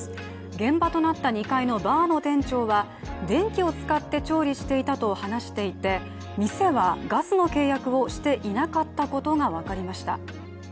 現場となった２階のバーの店長は電気を使って調理していたと話していて店はガスの契約をしていなかったことが分かりました。